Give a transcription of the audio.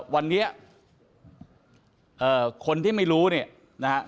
วันนี้คนที่ไม่รู้เนี่ยนะฮะ